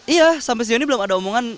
iya sampai sejauh ini belum ada omongan